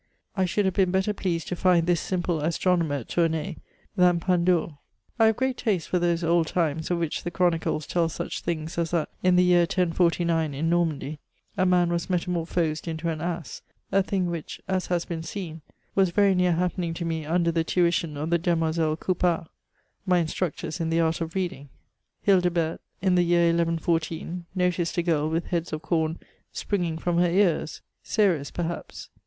I should have been better pleased to find this simple astronomer at Toumay than Fandours. I have great taste £ot those old times of which the chronicles tell such things as that, in the year 1049, in Normandy, a man was metami(H*phosed into an ass ; a thing which, as has been seen, was very near happening to me under the tuitum of the Demoiselles Coup part, my instructcMTS in the art of reading. Hildebert, in the year 1114, noticed a girl with heads of com springing from Ler ears— Ceres, perhaps.